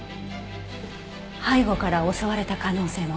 背後から襲われた可能性も。